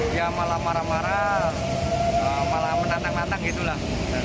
dia malah marah marah malah menantang nantang gitu lah